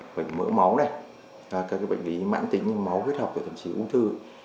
bệnh mỡ máu các bệnh lý mãn tính như máu huyết học và thậm chí u thư